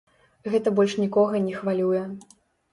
Гэта больш нікога не хвалюе.